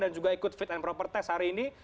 dan juga ikut fit and proper test hari ini